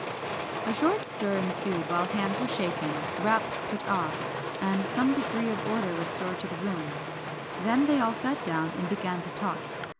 A short stir ensued while hands were shaken, wraps put off, and some degree of order restored to the room, then they all sat down and began to talk.